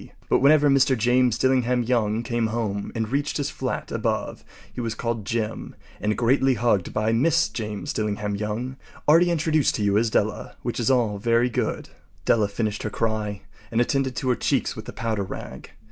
But whenever Mr. James Dillingham Young came home and reached his flat above he was called “Jim” and greatly hugged by Mrs. James Dillingham Young, already introduced to you as Della. Which is all very good. Della finished her cry and attended to her cheeks with the powder rag.